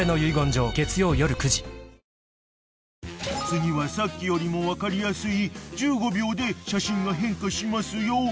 ［次はさっきよりも分かりやすい１５秒で写真が変化しますよ］